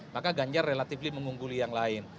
maka ganjar relatif mengungguli yang lain